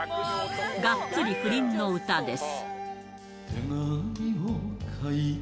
がっつり不倫の歌です。